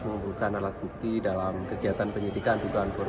mengumpulkan alat bukti dalam kegiatan yang terjadi di sekretariat jenderal dpr ri